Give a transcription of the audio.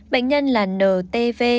bệnh nhân là ntv